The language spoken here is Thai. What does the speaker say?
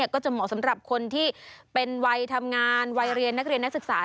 ก็จะเหมาะสำหรับคนที่เป็นวัยทำงานวัยเรียนนักเรียนนักศึกษา